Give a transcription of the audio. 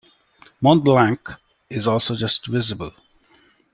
Mont Blanc is also just visible.